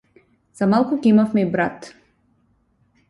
За малку ќе имавме и брат.